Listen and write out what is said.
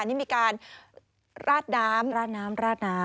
นี่มีการราดน้ำราดน้ำราดน้ำ